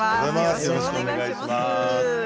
よろしくお願いします。